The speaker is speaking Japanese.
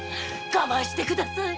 我慢して下さい。